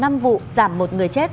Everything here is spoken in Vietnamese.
giảm năm vụ giảm một người chết